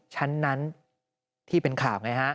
ชั้นนั้นที่เป็นข่าวไงฮะ